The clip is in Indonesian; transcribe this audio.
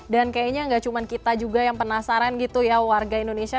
dan kayaknya gak cuma kita juga yang penasaran gitu ya warga indonesia